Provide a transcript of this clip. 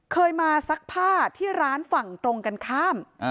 เคยมาซักผ้าที่ร้านฝั่งตรงกันข้าม